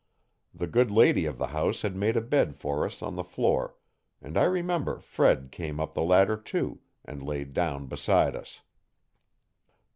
The good lady of the house had made a bed for us on the floor and I remember Fred came up the ladder too, and lay down beside us.